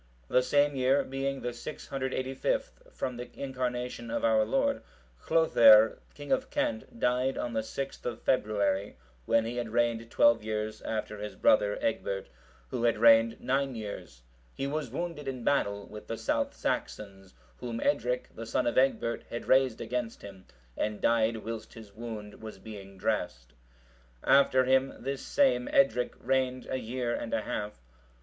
The same year, being the 685th from the Incarnation of our Lord, Hlothere,(734) king of Kent, died on the 6th of February, when he had reigned twelve years after his brother Egbert,(735) who had reigned nine years: he was wounded in battle with the South Saxons, whom Edric,(736) the son of Egbert, had raised against him, and died whilst his wound was being dressed. After him, this same Edric reigned a year and a half.